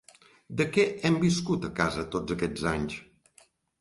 De què hem viscut a casa tots aquests anys?